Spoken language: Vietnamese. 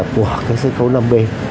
của cái sân khấu năm b